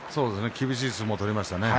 厳しい相撲を取りましたね。